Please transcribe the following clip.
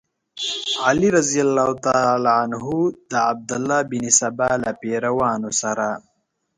علي رض د عبدالله بن سبا له پیروانو سره.